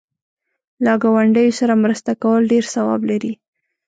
له گاونډیو سره مرسته کول ډېر ثواب لري.